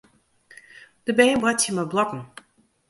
De bern boartsje mei blokken.